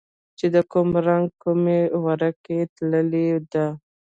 چې د کوم رنگ کومه ورقه تللې ده.